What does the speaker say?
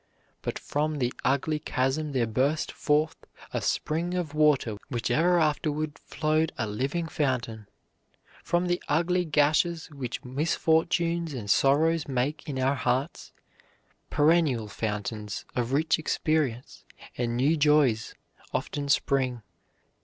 But from the ugly chasm there burst forth a spring of water which ever afterward flowed a living fountain. From the ugly gashes which misfortunes and sorrows make in our hearts, perennial fountains of rich experience and new joys often spring.